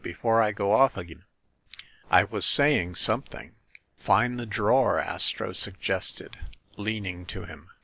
be fore I go off again! I was saying something." "Find the drawer," Astro suggested, leaning to him.